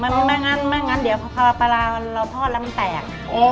ไม่ให้มันเป็นก้อนจ้ะไม่งั้นเดี๋ยวพอเราทอดแล้วมันแตก